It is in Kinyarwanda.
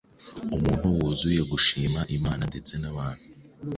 Umuntu wuzuye gushima Imana ndetse n’abantu.